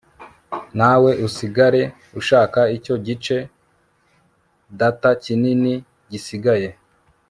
nawe usigare ushaka icyo gice data kinini gisigaye